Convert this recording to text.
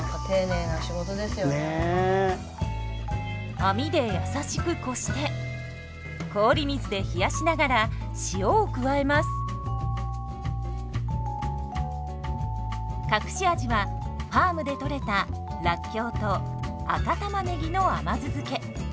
網でやさしくこして氷水で隠し味はファームでとれたらっきょうと赤たまねぎの甘酢漬け。